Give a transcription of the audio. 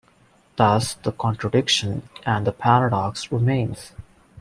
Thus, the contradiction, and the paradox, remains.